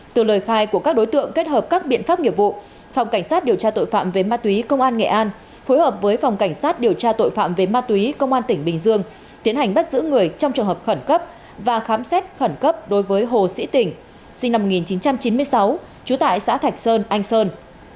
từ lời khai của các đối tượng kết hợp các biện pháp nghiệp vụ phòng cảnh sát điều tra tội phạm về ma túy công an nghệ an phối hợp với phòng cảnh sát điều tra tội phạm về ma túy công an tỉnh bình dương tiến hành bắt giữ người trong trường hợp khẩn cấp và khám xét khẩn cấp đối với hồ sĩ tỉnh sinh năm một nghìn chín trăm chín mươi sáu trú tại xã thạch sơn anh sơn